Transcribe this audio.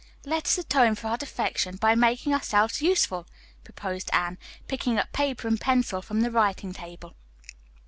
"Let us atone for our defection by making ourselves useful," proposed Anne, picking up paper and pencil from the writing table.